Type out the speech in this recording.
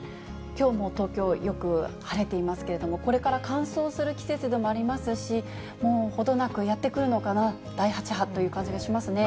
きょうも東京、よく晴れていますけれども、これから乾燥する季節でもありますし、もう程なくやって来るのかな、第８波という感じがしますね。